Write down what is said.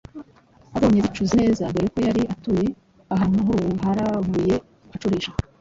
abonye zicuze neza, dore ko yari atuye ahantu h’uruharabuye, acurisha